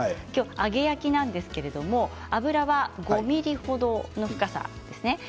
揚げ焼きなんですけど油は５ｍｍ程の深さです。